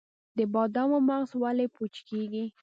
د بادامو مغز ولې پوچ کیږي؟